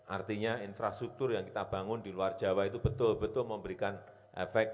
artinya infrastruktur yang kita bangun di luar jawa itu betul betul memberikan efek